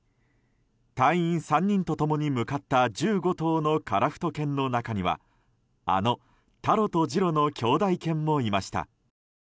隊員３人と共に向かった１５頭の樺太犬の中にはあのタロとジロの兄弟犬もいました。